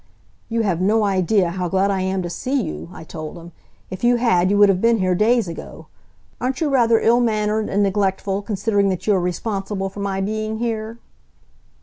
"You have no idea how glad I am to see you," I told him. "If you had, you would have been here days ago. Aren't you rather ill mannered and neglectful, considering that you are responsible for my being here?"